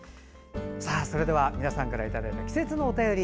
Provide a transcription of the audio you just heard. それでは皆さんからいただいた季節のお便り